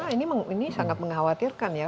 ini sangat mengkhawatirkan ya